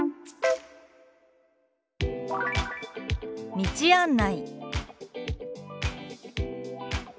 「道案内」。